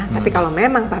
tapi kalau memang papa